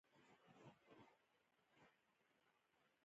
صالح د اوسني کندهار په شمالي سیمو کې لاسته ورغی.